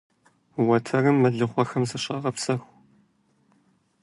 Уэтэрым мэлыхъуэхэм зыщагъэпсэху.